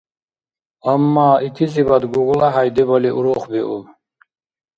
Амма итизибад ГуглахӀяй дебали урухбиуб.